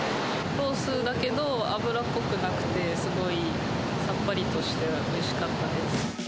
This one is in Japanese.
ロースだけど、脂っこくなくて、すごい、さっぱりとしておいしかったです。